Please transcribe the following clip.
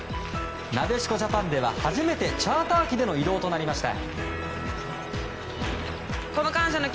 なでしこジャパンでは初めてチャーター機での移動となりました。